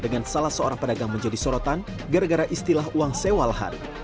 dengan salah seorang pedagang menjadi sorotan gara gara istilah uang sewa lahan